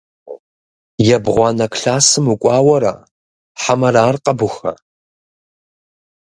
Ебгъуанэ классым укӏуауэра хьэмэрэ ар къэбуха?